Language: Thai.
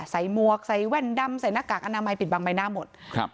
มวกใส่แว่นดำใส่หน้ากากอนามัยปิดบังใบหน้าหมดครับ